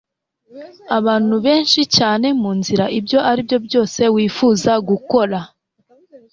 Abantu benshi cyane munzira, ibyo aribyo byose wifuza gukora,